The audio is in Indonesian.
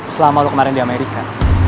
selama lo kemarin di amerika